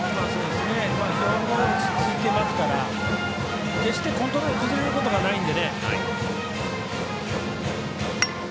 落ち着いていますから決して、コントロールが崩れることがないので。